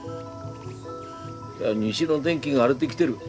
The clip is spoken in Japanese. いや西の天気が荒れできてる。